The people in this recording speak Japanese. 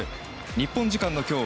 日本時間の今日